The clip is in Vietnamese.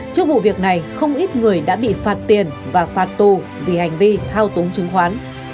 trước vụ việc này không ít người đã bị phạt tiền và phạt tù vì hành vi thao túng chứng khoán